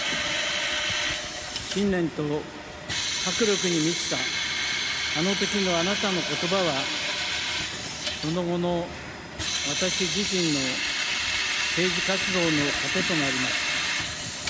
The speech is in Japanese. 信念と迫力に満ちた、あのときのあなたのことばは、その後の私自身の政治活動の糧となりました。